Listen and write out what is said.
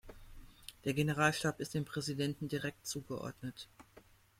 Der Generalstab ist dem Präsidenten direkt zugeordnet.